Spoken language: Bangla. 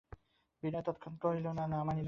বিনয় তৎক্ষণাৎ কহিল, না, মানি নে।